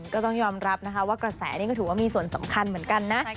ก็ต้องยอมรับนะคะว่ากระแสนี่ก็ถือว่ามีส่วนสำคัญเหมือนกันนะ